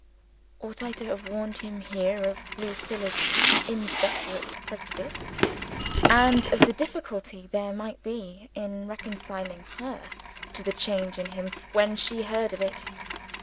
Ought I to have warned him here of Lucilla's inveterate prejudice, and of the difficulty there might be in reconciling her to the change in him when she heard of it?